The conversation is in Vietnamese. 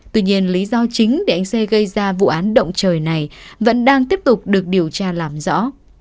tuy nhiên lý do chính để anh xê gây ra vụ án động trời này vẫn đang tiếp tục được điều tra làm rõ